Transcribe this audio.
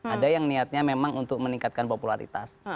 ada yang niatnya memang untuk meningkatkan popularitas